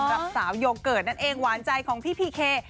กับสาวโยเกิร์ตนั่นเองหวานใจของพี่พีเค